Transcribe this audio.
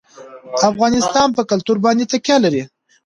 افغانستان په کلتور باندې تکیه لري.